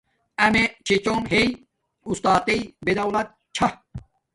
امیے چھی چوم ہݵ اُستاتݵ بدالت چھا